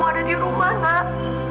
kenapa kamu ada di rumah nak